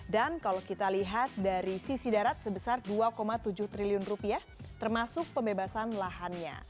dan kalau kita lihat dari sisi darat sebesar dua tujuh triliun rupiah termasuk pembebasan lahannya